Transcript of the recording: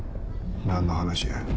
何の話や？